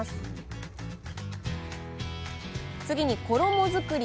次に衣作り。